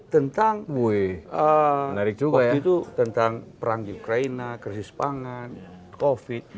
tentang waktu itu tentang perang ukraina krisis pangan covid